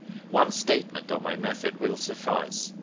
One statement of my method will suffice.